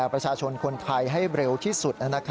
ประชาชนคนไทยให้เร็วที่สุด